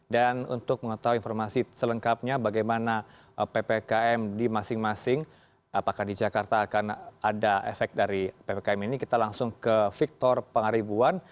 dan untuk mengetahui informasi selengkapnya bagaimana ppkm di masing masing apakah di jakarta akan ada efek dari ppkm ini kita langsung ke victor pangaribuan